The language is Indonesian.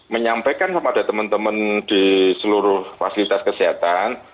menyampaikan kepada teman teman di seluruh fasilitas kesehatan